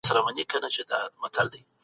د سيمو ترمنځ د صنايعو توپير څه و؟